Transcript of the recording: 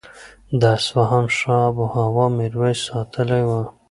د اصفهان ښه آب و هوا میرویس ستایلې وه.